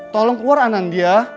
tolong keluar anandya